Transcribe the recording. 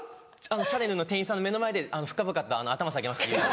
シャネルの店員さんの目の前で深々と頭下げました結実に。